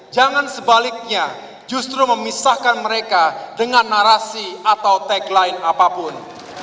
jangan sebaliknya justru memisahkan mereka dengan narasi atau tagline apapun